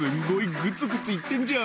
グツグツいってんじゃん」